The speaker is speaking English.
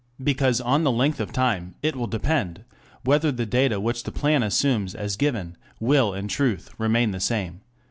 Because on the length of time it will depend whether the data which the plan assumes as given, will in truth remain the same.